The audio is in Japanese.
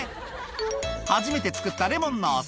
初めて作ったレモンのお酒。